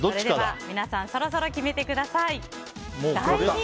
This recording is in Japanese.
皆さんそろそろ決めてください。